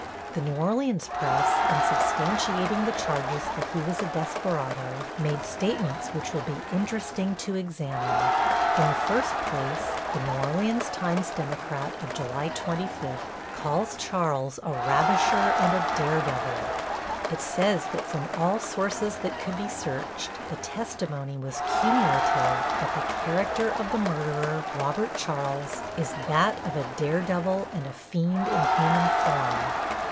The New Orleans press, in substantiating the charges that he was a desperado, make statements which will be interesting to examine. In the first place the New Orleans Times Democrat, of July 25, calls Charles a "ravisher and a daredevil." It says that from all sources that could be searched "the testimony was cumulative that the character of the murderer, Robert Charles, is that of a daredevil and a fiend in human form."